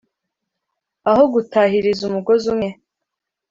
aho gutahiriza umugozi umwe